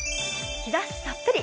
日ざしたっぷり！